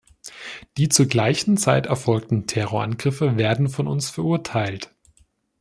Die zur gleichen Zeit erfolgten Terrorangriffe werden von uns verurteilt.